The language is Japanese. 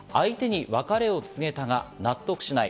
相手に別れを告げたが納得しない。